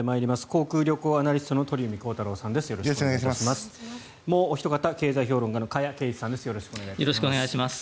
航空・旅行アナリストの鳥海高太朗さんです。